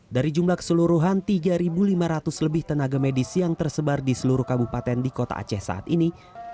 dari jumlah keseluruhan tiga lima ratus lebih tenaga medis yang tersebar di seluruh kabupaten di kota aceh saat ini